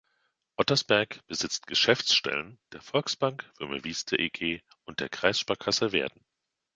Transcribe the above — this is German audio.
Ottersberg besitzt Geschäftsstellen der Volksbank Wümme-Wieste eG und der Kreissparkasse Verden.